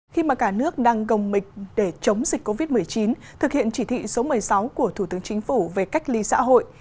khi mà cả nước đang gồng mịch để chống dịch covid một mươi chín thực hiện chỉ thị số một mươi sáu của thủ tướng chính phủ về cách ly xã hội